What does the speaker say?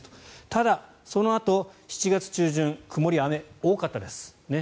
ただ、そのあと、７月中旬曇りや雨が多かったです。